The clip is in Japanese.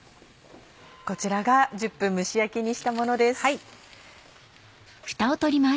こちらが１０分蒸し焼きにしたものです。